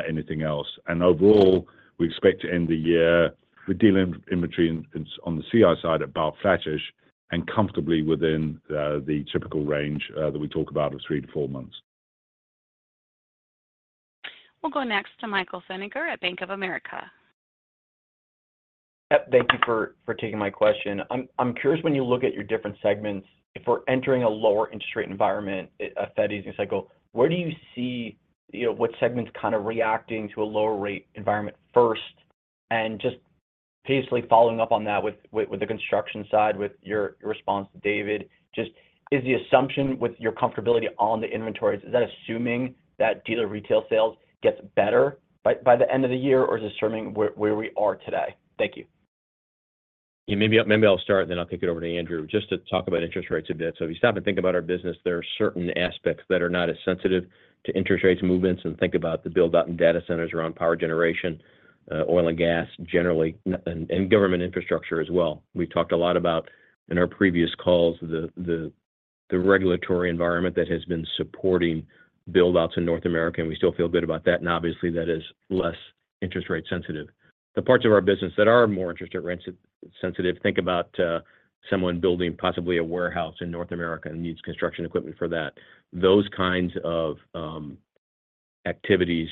Speaker 4: anything else. Overall, we expect to end the year with dealer inventory in on the CI side at about flattish and comfortably within the typical range that we talk about of three to four months.
Speaker 1: We'll go next to Michael Feniger at Bank of America.
Speaker 10: Yep, thank you for taking my question. I'm curious, when you look at your different segments, if we're entering a lower interest rate environment, a Fed easing cycle, where do you see, you know, what segments kind of reacting to a lower rate environment first? And just basically following up on that with the construction side, with your response to David, just is the assumption with your comfortability on the inventories, is that assuming that dealer retail sales gets better by the end of the year, or is this assuming where we are today? Thank you.
Speaker 3: Yeah, maybe I'll start, and then I'll kick it over to Andrew. Just to talk about interest rates a bit. So if you stop and think about our business, there are certain aspects that are not as sensitive to interest rates movements and think about the build-out in data centers around power generation, oil and gas, generally, and government infrastructure as well. We've talked a lot about, in our previous calls, the regulatory environment that has been supporting build-outs in North America, and we still feel good about that, and obviously that is less interest rate sensitive. The parts of our business that are more interest rate sensitive, think about someone building possibly a warehouse in North America and needs construction equipment for that. Those kinds of activities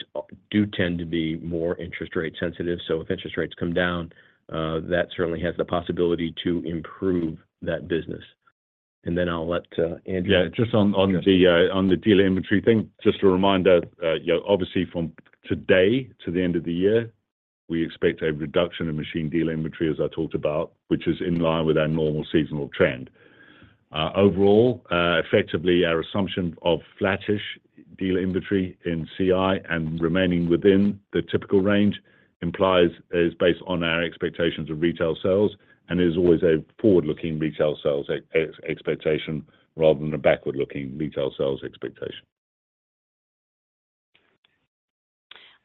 Speaker 3: do tend to be more interest rate sensitive. So if interest rates come down, that certainly has the possibility to improve that business. And then I'll let Andrew-
Speaker 4: Yeah, just on the dealer inventory thing, just a reminder, you know, obviously from today to the end of the year, we expect a reduction in machine dealer inventory, as I talked about, which is in line with our normal seasonal trend. Overall, effectively, our assumption of flattish dealer inventory in CI and remaining within the typical range implies is based on our expectations of retail sales and is always a forward-looking retail sales expectation rather than a backward-looking retail sales expectation. ...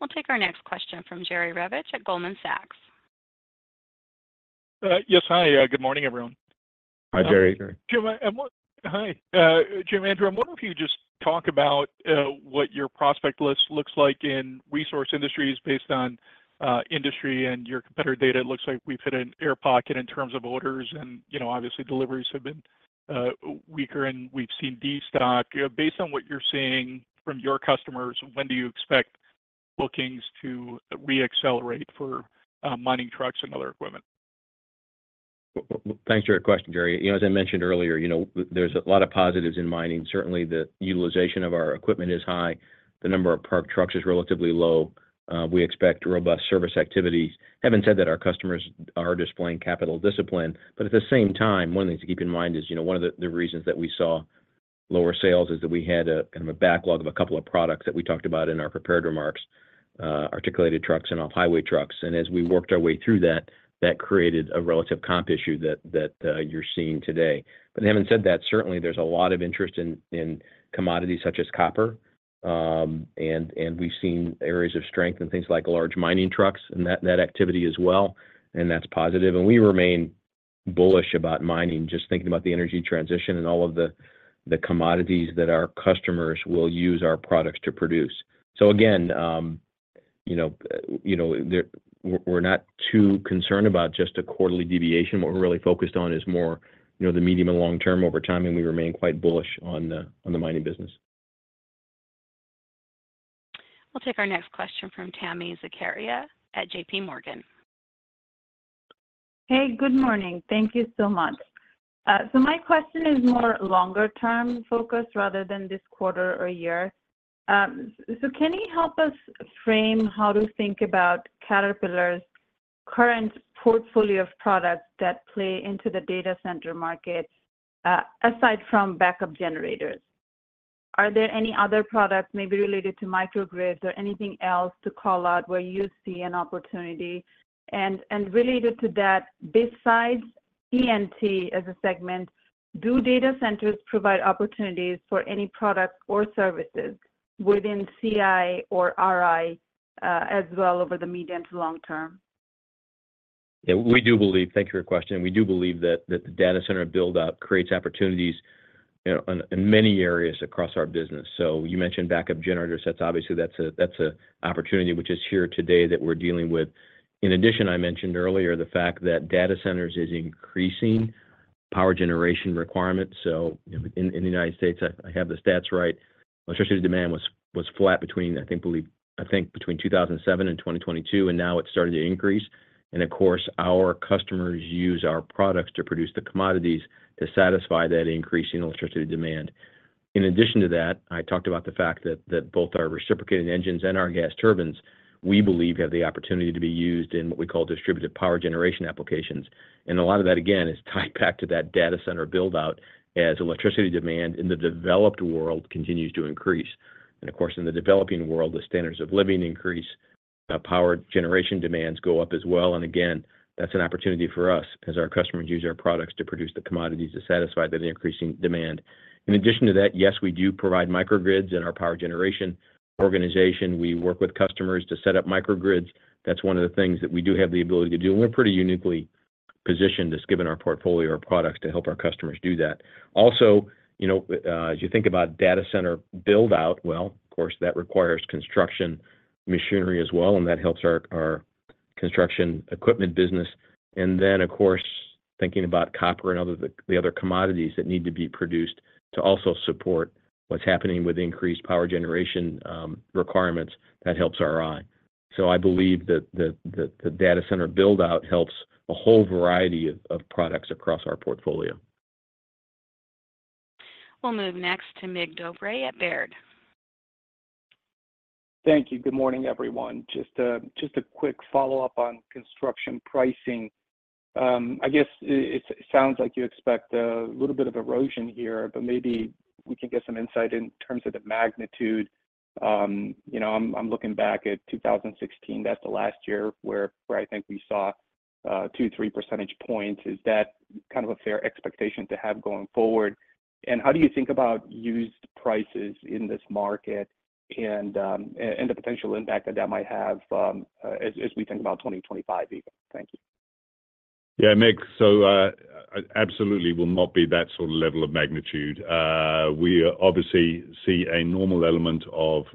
Speaker 1: We'll take our next question from Jerry Revich at Goldman Sachs.
Speaker 11: Yes. Hi, good morning, everyone.
Speaker 3: Hi, Jerry.
Speaker 11: Jim, hi, Jim, Andrew, I wonder if you could just talk about what your prospect list looks like in Resource Industries based on industry and your competitor data. It looks like we've hit an air pocket in terms of orders, and, you know, obviously, deliveries have been weaker, and we've seen destock. Based on what you're seeing from your customers, when do you expect bookings to re-accelerate for mining trucks and other equipment?
Speaker 3: Well, thanks for your question, Jerry. You know, as I mentioned earlier, you know, there's a lot of positives in mining. Certainly, the utilization of our equipment is high. The number of parked trucks is relatively low. We expect robust service activities. Having said that, our customers are displaying capital discipline, but at the same time, one thing to keep in mind is, you know, one of the reasons that we saw lower sales is that we had a kind of a backlog of a couple of products that we talked about in our prepared remarks, articulated trucks and off-highway trucks. And as we worked our way through that, that created a relative comp issue that you're seeing today. But having said that, certainly there's a lot of interest in commodities such as copper, and we've seen areas of strength in things like large mining trucks and that activity as well, and that's positive. And we remain bullish about mining, just thinking about the energy transition and all of the commodities that our customers will use our products to produce. So again, you know, we're not too concerned about just a quarterly deviation. What we're really focused on is more, you know, the medium and long term over time, and we remain quite bullish on the mining business.
Speaker 1: We'll take our next question from Tami Zakaria at JPMorgan.
Speaker 12: Hey, good morning. Thank you so much. So my question is more longer-term focused rather than this quarter or year. So can you help us frame how to think about Caterpillar's current portfolio of products that play into the data center market, aside from backup generators? Are there any other products maybe related to microgrids or anything else to call out where you see an opportunity? And, and related to that, besides E&T as a segment, do data centers provide opportunities for any products or services within CI or RI, as well over the medium to long term?
Speaker 3: Yeah, we do believe... Thank you for your question. We do believe that, that the data center build-out creates opportunities, you know, in, in many areas across our business. So you mentioned backup generators. That's obviously, that's a, that's a opportunity which is here today that we're dealing with. In addition, I mentioned earlier the fact that data centers is increasing power generation requirements. So, you know, in, in the United States, I, I have the stats right, electricity demand was, was flat between, I think, believe, I think between 2007 and 2022, and now it's starting to increase. And of course, our customers use our products to produce the commodities to satisfy that increasing electricity demand. In addition to that, I talked about the fact that both our reciprocating engines and our gas turbines, we believe, have the opportunity to be used in what we call distributed power generation applications. And a lot of that, again, is tied back to that data center build-out, as electricity demand in the developed world continues to increase. And of course, in the developing world, the standards of living increase, power generation demands go up as well. And again, that's an opportunity for us as our customers use our products to produce the commodities to satisfy the increasing demand. In addition to that, yes, we do provide microgrids in our power generation organization. We work with customers to set up microgrids. That's one of the things that we do have the ability to do, and we're pretty uniquely positioned, just given our portfolio of products, to help our customers do that. Also, you know, as you think about data center build-out, well, of course, that requires construction machinery as well, and that helps our construction equipment business. And then, of course, thinking about copper and other commodities that need to be produced to also support what's happening with increased power generation requirements, that helps RI. So I believe that the data center build-out helps a whole variety of products across our portfolio.
Speaker 1: We'll move next to Mig Dobre at Baird.
Speaker 13: Thank you. Good morning, everyone. Just a quick follow-up on construction pricing. I guess it sounds like you expect a little bit of erosion here, but maybe we can get some insight in terms of the magnitude. You know, I'm looking back at 2016. That's the last year where I think we saw 2-3 percentage points. Is that kind of a fair expectation to have going forward? And how do you think about used prices in this market and the potential impact that that might have as we think about 2025 even? Thank you.
Speaker 3: Yeah, Mig, so, absolutely will not be that sort of level of magnitude. We obviously see a normal element of,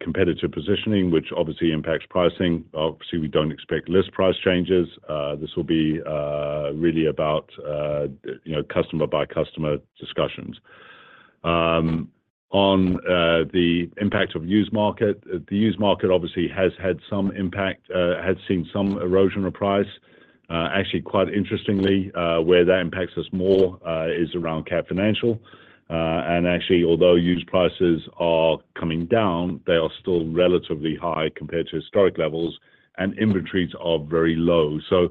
Speaker 3: competitive positioning, which obviously impacts pricing. Obviously, we don't expect less price changes. This will be, really about, you know, customer by customer discussions. On, the impact of used market, the used market obviously has had some impact, has seen some erosion of price. Actually, quite interestingly, where that impacts us more, is around Cat Financial. And actually, although used prices are coming down, they are still relatively high compared to historic levels, and inventories are very low. So,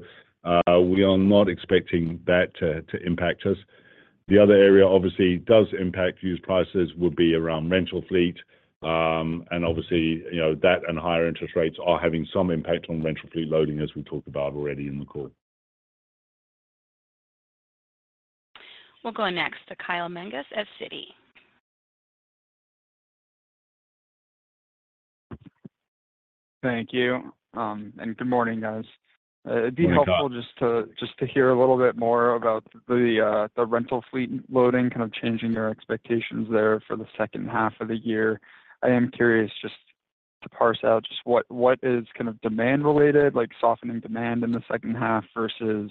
Speaker 3: we are not expecting that to, to impact us. The other area obviously does impact used prices would be around rental fleet. And obviously, you know, that and higher interest rates are having some impact on rental fleet loading, as we talked about already in the call....
Speaker 1: We'll go next to Kyle Menges at Citi.
Speaker 14: Thank you, and good morning, guys.
Speaker 3: Good morning, Kyle.
Speaker 14: It'd be helpful just to, just to hear a little bit more about the rental fleet loading, kind of changing your expectations there for the second half of the year. I am curious just to parse out just what is kind of demand related, like softening demand in the second half, versus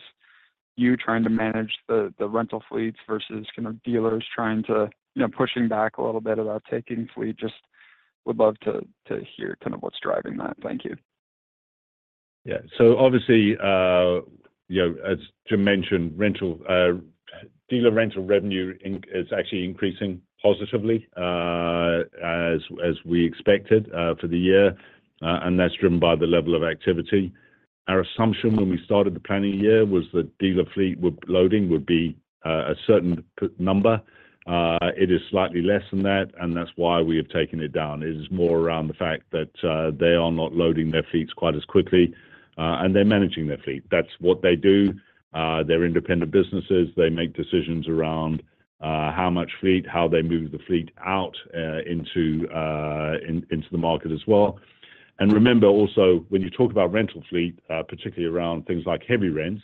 Speaker 14: you trying to manage the rental fleets, versus kind of dealers trying to, you know, pushing back a little bit about taking fleet. Just would love to hear kind of what's driving that. Thank you.
Speaker 4: Yeah. So obviously, you know, as Jim mentioned, dealer rental revenue is actually increasing positively, as we expected, for the year, and that's driven by the level of activity. Our assumption when we started the planning year was that dealer fleet loading would be a certain number. It is slightly less than that, and that's why we have taken it down. It is more around the fact that they are not loading their fleets quite as quickly, and they're managing their fleet. That's what they do. They're independent businesses. They make decisions around how much fleet, how they move the fleet out into the market as well. And remember also, when you talk about rental fleet, particularly around things like heavy rents,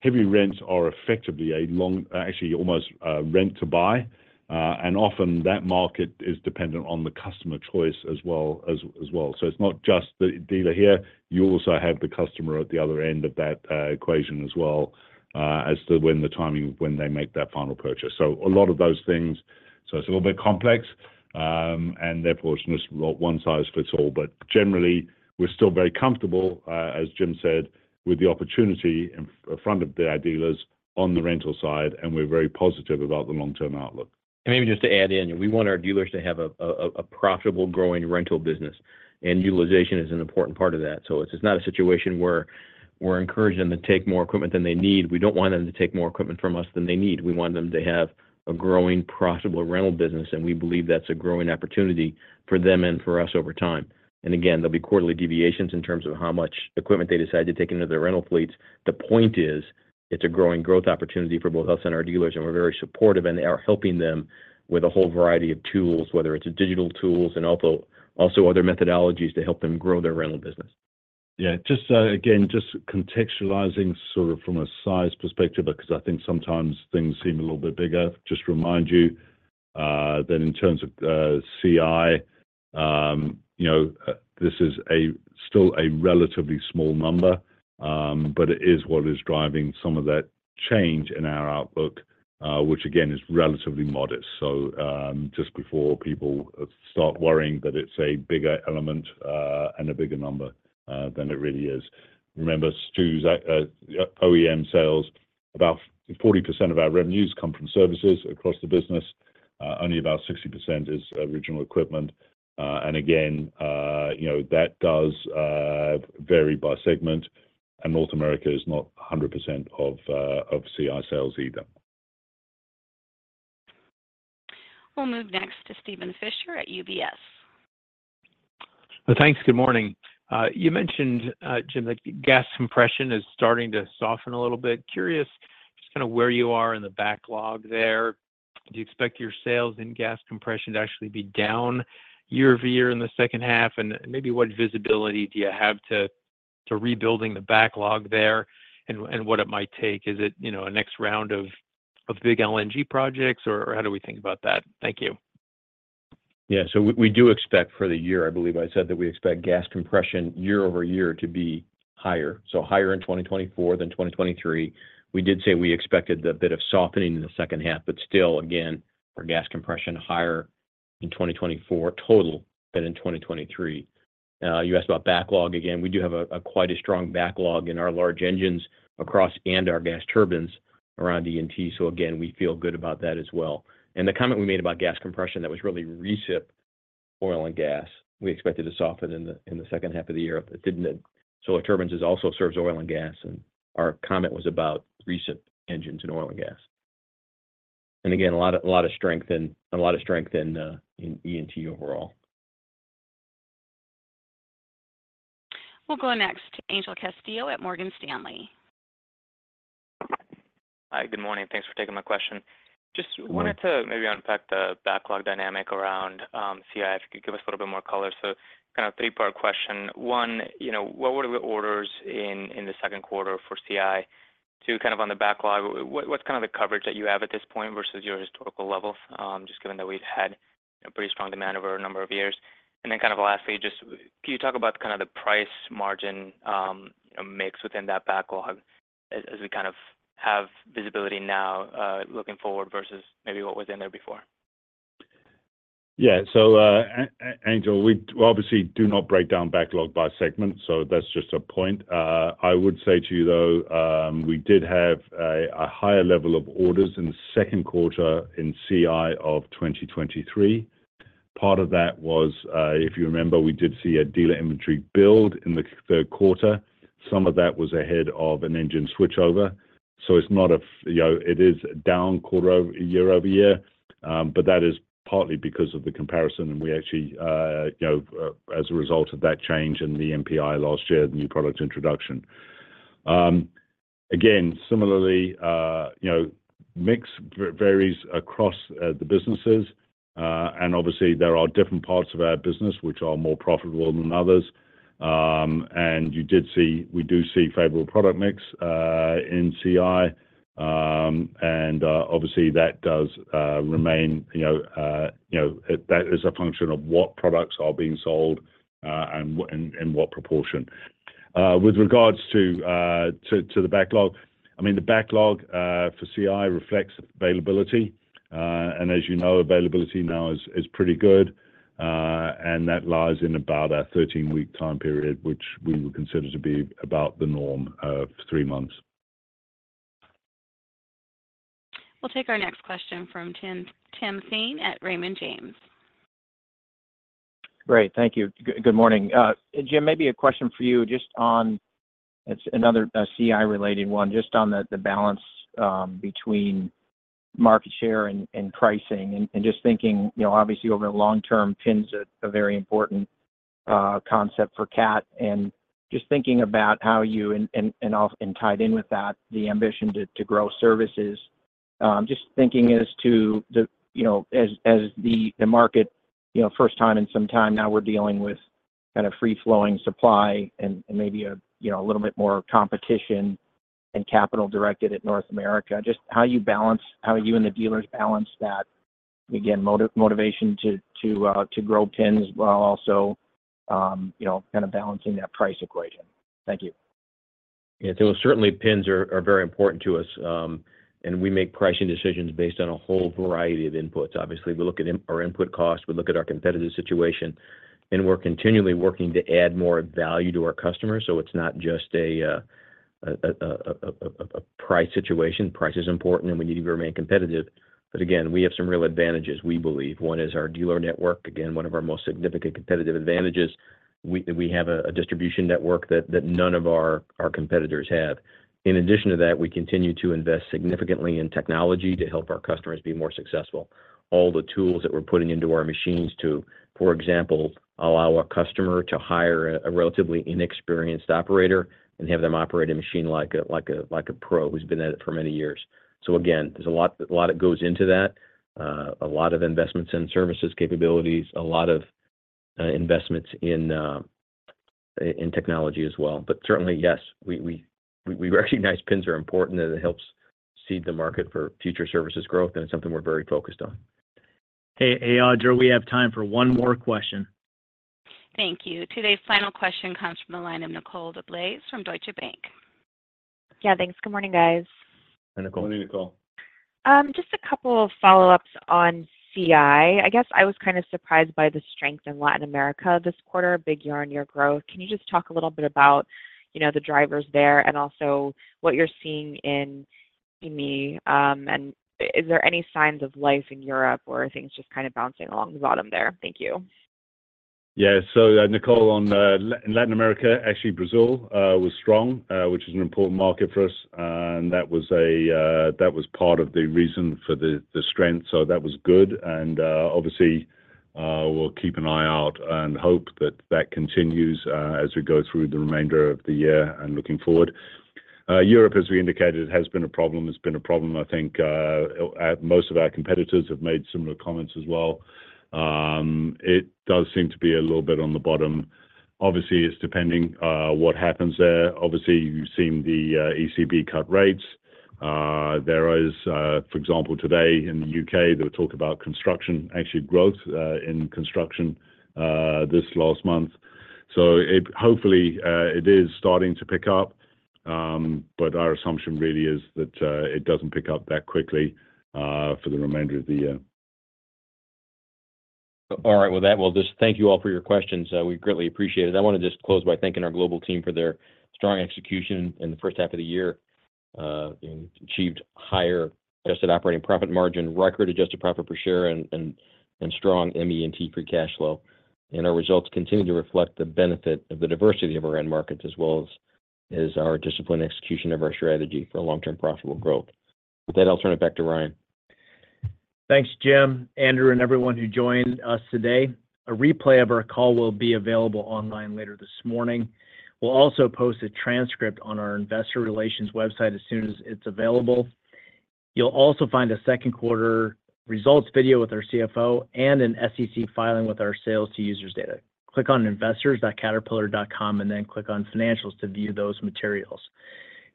Speaker 4: heavy rents are effectively a long... Actually almost rent to buy, and often that market is dependent on the customer choice as well as well. So it's not just the dealer here, you also have the customer at the other end of that equation as well, as to when the timing of when they make that final purchase. So a lot of those things. So it's a little bit complex, and therefore it's not one size fits all. But generally, we're still very comfortable, as Jim said, with the opportunity in front of our dealers on the rental side, and we're very positive about the long-term outlook.
Speaker 3: Maybe just to add in, we want our dealers to have a profitable, growing rental business, and utilization is an important part of that. So it's not a situation where we're encouraging them to take more equipment than they need. We don't want them to take more equipment from us than they need. We want them to have a growing, profitable rental business, and we believe that's a growing opportunity for them and for us over time. And again, there'll be quarterly deviations in terms of how much equipment they decide to take into their rental fleets. The point is, it's a growing growth opportunity for both us and our dealers, and we're very supportive and are helping them with a whole variety of tools, whether it's digital tools and also other methodologies to help them grow their rental business.
Speaker 4: Yeah, just again, just contextualizing sort of from a size perspective, because I think sometimes things seem a little bit bigger. Just remind you that in terms of CI, you know, this is still a relatively small number, but it is what is driving some of that change in our outlook, which again, is relatively modest. So, just before people start worrying that it's a bigger element and a bigger number than it really is. Remember, STUs lag OEM sales, about 40% of our revenues come from services across the business. Only about 60% is original equipment. And again, you know, that does vary by segment, and North America is not 100% of CI sales either.
Speaker 1: We'll move next to Steven Fisher at UBS.
Speaker 15: Thanks. Good morning. You mentioned, Jim, that gas compression is starting to soften a little bit. Curious, just kind of where you are in the backlog there. Do you expect your sales in gas compression to actually be down year-over-year in the second half? And maybe what visibility do you have to rebuilding the backlog there and what it might take? Is it, you know, a next round of big LNG projects, or how do we think about that? Thank you.
Speaker 3: Yeah. So we do expect for the year, I believe I said that we expect gas compression year-over-year to be higher, so higher in 2024 than 2023. We did say we expected a bit of softening in the second half, but still, again, our gas compression higher in 2024 total than in 2023. You asked about backlog. Again, we do have quite a strong backlog in our large engines across E&T and our gas turbines around E&T. So again, we feel good about that as well. And the comment we made about gas compression, that was really recip oil and gas. We expected to soften in the second half of the year. It didn't... Solar Turbines also serves oil and gas, and our comment was about recip engines in oil and gas. Again, a lot of strength in E&T overall.
Speaker 1: We'll go next to Angel Castillo at Morgan Stanley.
Speaker 16: Hi, good morning. Thanks for taking my question.
Speaker 4: Mm-hmm.
Speaker 16: Just wanted to maybe unpack the backlog dynamic around CI, if you could give us a little bit more color. So kind of three-part question. One, you know, what were the orders in the Q for CI? Two, kind of on the backlog, what's kind of the coverage that you have at this point versus your historical levels, just given that we've had a pretty strong demand over a number of years? And then kind of lastly, just can you talk about kind of the price margin, you know, mix within that backlog as we kind of have visibility now, looking forward versus maybe what was in there before?
Speaker 4: Yeah. So, Angel, we obviously do not break down backlog by segment, so that's just a point. I would say to you, though, we did have a higher level of orders in the Q2 in CI of 2023. Part of that was, if you remember, we did see a dealer inventory build in the Q3. Some of that was ahead of an engine switchover. So it's not a, you know, it is down quarter-over-year. But that is partly because of the comparison, and we actually, you know, as a result of that change in the NPI last year, the new product introduction. Again, similarly, you know, mix varies across the businesses, and obviously, there are different parts of our business which are more profitable than others. And you did see we do see favorable product mix in CI, and obviously, that does remain, you know, you know, that is a function of what products are being sold, and and what proportion. With regards to the backlog, I mean, the backlog for CI reflects availability. And as you know, availability now is pretty good, and that lies in about our 13-week time period, which we would consider to be about the norm for three months.
Speaker 1: We'll take our next question from Tim, Tim Thein at Raymond James.
Speaker 17: Great, thank you. Good morning. Jim, maybe a question for you, just on... It's another CI-related one, just on the balance between market share and pricing. And just thinking, you know, obviously, over the long term, PINS a very important concept for Cat. And just thinking about how you and tied in with that, the ambition to grow services, just thinking as to the, you know, as the market, you know, first time in some time, now we're dealing with kind of free-flowing supply and maybe a little bit more competition and capital directed at North America. Just how you and the dealers balance that, again, motivation to grow PINS, while also, you know, kind of balancing that price equation. Thank you.
Speaker 3: Yeah, so certainly, PINS are very important to us, and we make pricing decisions based on a whole variety of inputs. Obviously, we look at our input costs, we look at our competitive situation, and we're continually working to add more value to our customers, so it's not just a price situation. Price is important, and we need to remain competitive, but again, we have some real advantages, we believe. One is our dealer network, again, one of our most significant competitive advantages. We have a distribution network that none of our competitors have. In addition to that, we continue to invest significantly in technology to help our customers be more successful. All the tools that we're putting into our machines to, for example, allow a customer to hire a relatively inexperienced operator and have them operate a machine like a pro who's been at it for many years. So again, there's a lot, a lot that goes into that, a lot of investments in services capabilities, a lot of investments in technology as well. But certainly, yes, we recognize PINS are important, and it helps seed the market for future services growth, and it's something we're very focused on.
Speaker 2: Hey, hey, Audra, we have time for one more question.
Speaker 1: Thank you. Today's final question comes from the line of Nicole DeBlase from Deutsche Bank.
Speaker 18: Yeah, thanks. Good morning, guys.
Speaker 3: Hi, Nicole.
Speaker 4: Good morning, Nicole.
Speaker 18: Just a couple of follow-ups on CI. I guess I was kind of surprised by the strength in Latin America this quarter, big year-on-year growth. Can you just talk a little bit about, you know, the drivers there, and also what you're seeing in EAME? And is there any signs of life in Europe, or are things just kind of bouncing along the bottom there? Thank you.
Speaker 4: Yeah. So, Nicole, on, in Latin America, actually, Brazil, was strong, which is an important market for us, and that was a, that was part of the reason for the, the strength, so that was good. And, obviously, we'll keep an eye out and hope that that continues, as we go through the remainder of the year and looking forward. Europe, as we indicated, has been a problem. It's been a problem, I think. Most of our competitors have made similar comments as well. It does seem to be a little bit on the bottom. Obviously, it's depending, what happens there. Obviously, you've seen the, ECB cut rates. There is, for example, today in the U.K., there were talk about construction, actually growth, in construction, this last month. Hopefully, it is starting to pick up, but our assumption really is that it doesn't pick up that quickly for the remainder of the year.
Speaker 3: All right. Well, just thank you all for your questions. We greatly appreciate it. I wanna just close by thanking our global team for their strong execution in the first half of the year, and achieved higher adjusted operating profit margin, record-adjusted profit per share, and strong ME&T free cash flow. And our results continue to reflect the benefit of the diversity of our end markets, as well as our disciplined execution of our strategy for long-term profitable growth. With that, I'll turn it back to Ryan.
Speaker 2: Thanks, Jim, Andrew, and everyone who joined us today. A replay of our call will be available online later this morning. We'll also post a transcript on our investor relations website as soon as it's available. You'll also find a Q2 results video with our CFO and an SEC filing with our Sales to Users data. Click on investors.caterpillar.com and then click on Financials to view those materials. If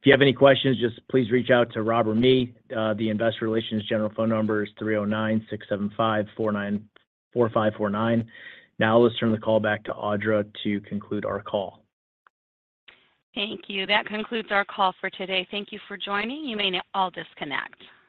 Speaker 2: you have any questions, just please reach out to Rob or me. The investor relations general phone number is 309-675-4949. Now, let's turn the call back to Audra to conclude our call.
Speaker 1: Thank you. That concludes our call for today. Thank you for joining. You may now all disconnect.